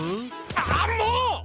あもう！